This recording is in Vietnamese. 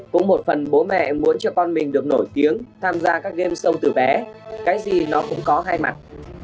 cũng một phần bố mẹ muốn cho con mình được nổi tiếng tham gia các game show từ bé cái gì nó cũng có hai mặt